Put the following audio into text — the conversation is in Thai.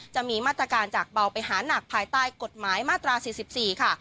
จะมีมาตรการจากเบาไปหานักภายใต้กฎหมายมาตรา๔๔ค่ะ